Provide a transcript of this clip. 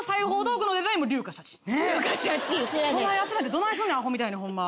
そない集めてどないすんねんアホみたいにホンマ。